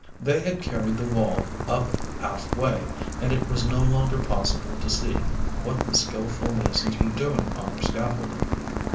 They had carried the wall up half way, and it was no longer possible to see what the skilful masons were doing on their scaffolding.